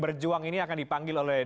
berjuang ini akan dipanggil oleh